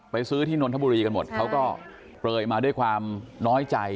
ซื้อที่นนทบุรีกันหมดเขาก็เปลยมาด้วยความน้อยใจ